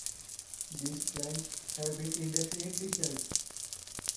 These plans have been indefinitely shelved.